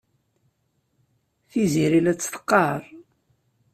Tiziri la tt-teqqar.